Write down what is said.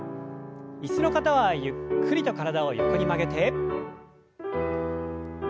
椅子の方はゆっくりと体を横に曲げて。